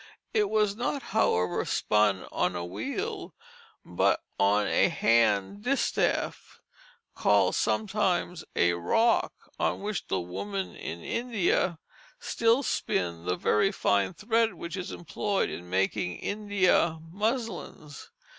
It was not, however, spun on a wheel, but on a hand distaff, called sometimes a rock, on which the women in India still spin the very fine thread which is employed in making India muslins.